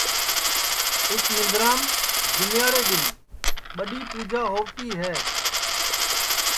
اُس مندرام جومیاڑے دؔن ٻڈؔی پُوجا ہوتی ہے